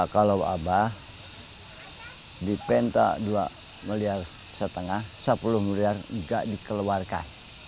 kalau abah dipenta dua lima miliar sepuluh miliar juga dikeluarkan